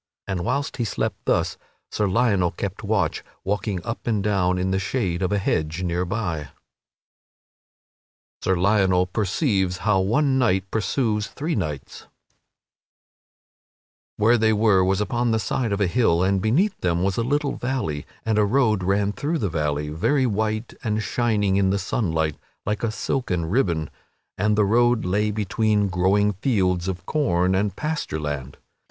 And, whilst he slept thus, Sir Lionel kept watch, walking up and down in the shade of a hedge near by. [Sidenote: Sir Lionel perceives how one knight pursues three knights] Where they were was upon the side of a hill, and beneath them was a little valley; and a road ran through the valley, very white and shining in the sunlight, like a silken ribbon, and the road lay between growing fields of corn and pasture land.